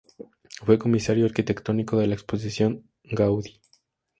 Fue comisario arquitectónico de la exposición "Gaudí.